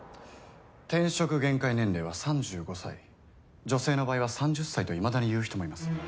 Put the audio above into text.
転職限界年齢は３５歳女性の場合は３０歳といまだにいう人もいます。